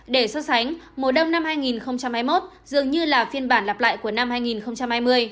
để so sánh mùa đông năm hai nghìn hai mươi một dường như là phiên bản lặp lại của năm hai nghìn hai mươi